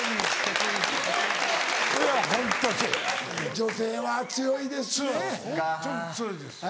女性は強いですね。